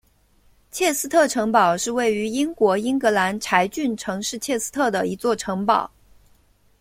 切斯特城堡是位于英国英格兰柴郡城市切斯特的一座城堡。